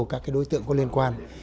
và nhiều các đối tượng có liên quan